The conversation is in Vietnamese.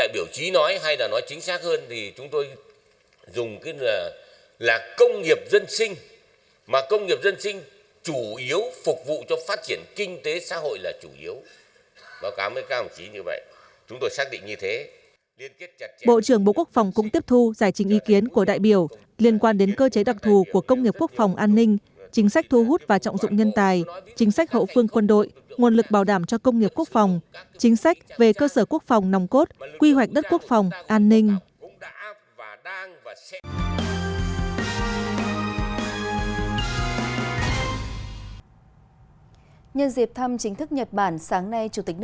bộ trưởng bộ quốc phòng cũng tiếp thu giải trình ý kiến của đại biểu liên quan đến cơ chế đặc thù của công nghiệp quốc phòng an ninh chính sách thu hút và trọng dụng nhân tài chính sách hậu phương quân đội nguồn lực bảo đảm cho công nghiệp quốc phòng chính sách về cơ sở quốc phòng nòng cốt quy hoạch đất quốc phòng an ninh